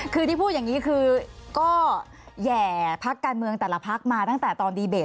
คือที่พูดอย่างนี้คือก็แห่พักการเมืองแต่ละพักมาตั้งแต่ตอนดีเบต